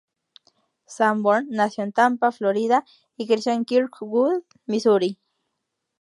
Sanborn nació en Tampa, Florida y creció en Kirkwood, Missouri.